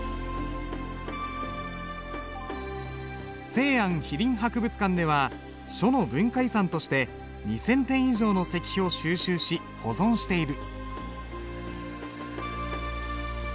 西安碑林博物館では書の文化遺産として２，０００点以上の石碑を収集し保存している。